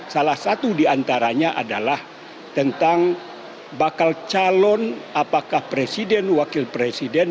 salah satu diantaranya adalah tentang bakal calon apakah presiden wakil presiden